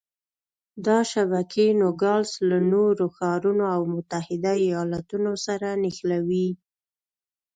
دا شبکې نوګالس له نورو ښارونو او متحده ایالتونو سره نښلوي.